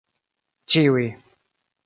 ĉiuj